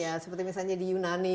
ya seperti misalnya di yunani